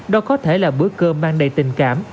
đó có thể là bữa cơm mang đầy tình cảm